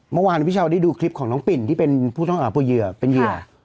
เมื่อวานพี่เช้าได้ดูคลิปของน้องปิ่นที่เป็นผู้ต้องหาเหยื่อเป็นเหยื่อ